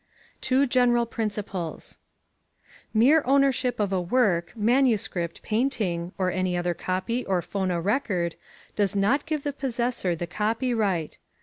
Two General Principles + Mere ownership of a book, manuscript, painting, or any other copy or phonorecord does not give the possessor the copyright.